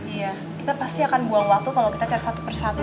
iya kita pasti akan buang waktu kalau kita cari satu persatu